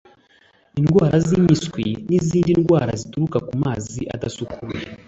indwara z'impiswi n'izindi ndwara zituruka ku mazi adasukuye